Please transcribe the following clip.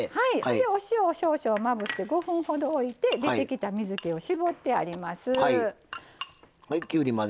お塩を少々まぶして５分ほど置いて出てきた水けを絞ってあります。